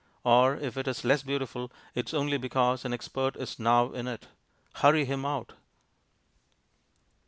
Or if it is less beautiful, it is only because an "expert" is now in it. Hurry him out.